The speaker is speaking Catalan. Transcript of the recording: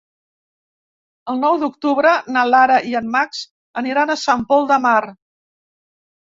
El nou d'octubre na Lara i en Max aniran a Sant Pol de Mar.